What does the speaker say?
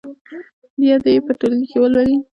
بیا دې یې په ټولګي کې ولولي.